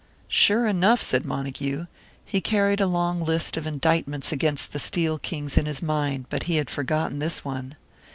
"Sure enough!" said Montague. He carried a long list of indictments against the steel kings in his mind; but he had forgotten this one.